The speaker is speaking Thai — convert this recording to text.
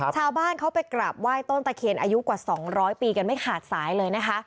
ชาวบ้านเขาไปกราบไหว้ต้นตะเคียนอายุกว่า๒๐๐ปีกันไม่ขาดสายเลยนะคะ